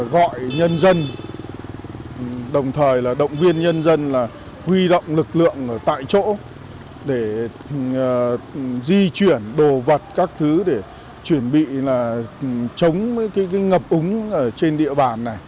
gọi nhân dân đồng thời động viên nhân dân huy động lực lượng tại chỗ để di chuyển đồ vật các thứ để chuẩn bị chống ngập ống trên địa bàn